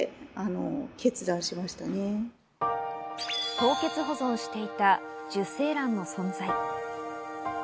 凍結保存していた受精卵の存在。